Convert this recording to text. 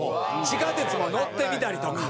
地下鉄も乗ってみたりとか。